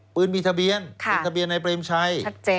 ปืนมีทะเบียนมีทะเบียนนายเบรมชัย